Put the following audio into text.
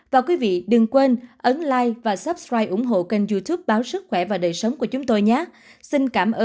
và quý vị đừng quên ấn like và subscribe ủng hộ kênh youtube báo sức khỏe và đời sống của chúng tôi nhé